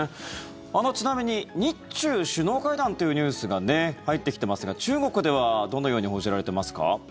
ちなみに、日中首脳会談というニュースが入ってきていますが中国ではどのように報じられていますか？